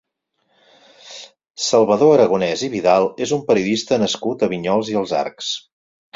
Salvador Aragonés i Vidal és un periodista nascut a Vinyols i els Arcs.